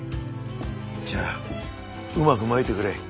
じゃあうまくまいてくれ。